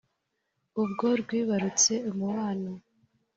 ubwo rwibarutse umubano